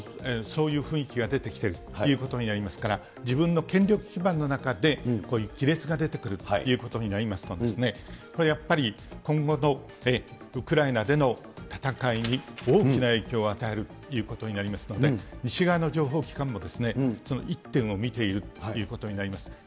そういう雰囲気が出てきているということになりますから、自分の権力基盤の中で、こういう亀裂が出てくるということになりますと、やっぱり今後のウクライナでの戦いに大きな影響を与えるということになりますので、西側の情報機関もその一点を見ているということになります。